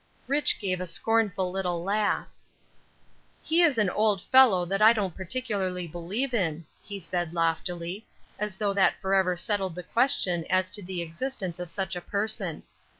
Rich. gave a scornful little laugh. "He is an old fellow that I don't particularly believe in," he said, loftily, as though that forever settled the question as to the existence of such a person.